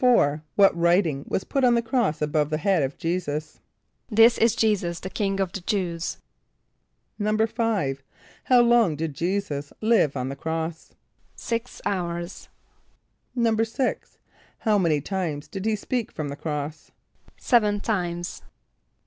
= What writing was put upon the cross above the head of J[=e]´[s+]us? ="This is J[=e]´[s+]us, the King of the Jew[s+]."= =5.= How long did J[=e]´[s+]us live on the cross? =Six hours.= =6.= How many times did he speak from the cross? =Seven times.